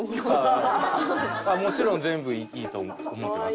もちろん全部いいと思ってます。